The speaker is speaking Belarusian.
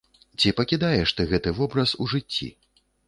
Ці пакідаеш ты гэты вобраз у жыцці?